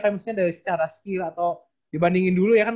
misalnya dari secara skill atau dibandingin dulu ya kan